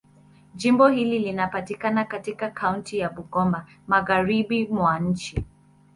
Jimbo hili linapatikana katika kaunti ya Bungoma, Magharibi mwa nchi.